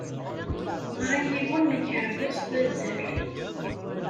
Ɣer-i yiwen n ukerbas d adal.